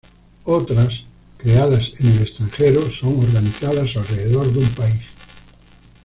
Otras, creadas en el extranjero, son organizadas alrededor de un país.